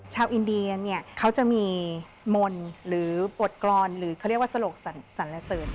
ชาวอินเดียเนี่ยเขาจะมีมนต์หรือบทกรรมหรือเขาเรียกว่าสลกสรรเสริญ